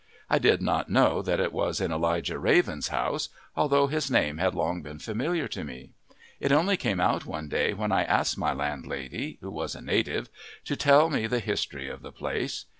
I did not know that I was in Elijah Raven's house, although his name had long been familiar to me: it only came out one day when I asked my landlady, who was a native, to tell me the history of the place.